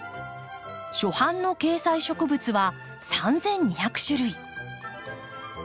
初版の掲載植物は３，２００種類。